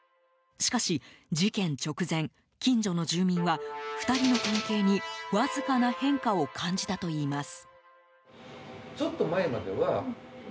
しかし、事件直前近所の住民は２人の関係にわずかな変化を感じたといいます。